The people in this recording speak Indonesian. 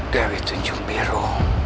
dewi tunjung biru